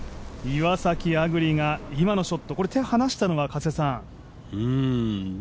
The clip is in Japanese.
岩崎亜久竜が今のショット手を離したのは、加瀬さん？